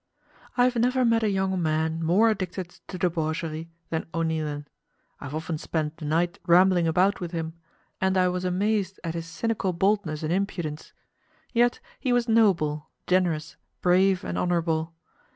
I have never met a young man more addicted to debauchery than O'Neilan. I have often spent the night rambling about with him, and I was amazed at his cynical boldness and impudence. Yet he was noble, generous, brave, and honourable.